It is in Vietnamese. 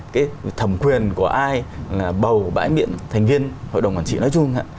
cái thẩm quyền của ai là bầu bãi miệng thành viên hội đồng quản trị nói chung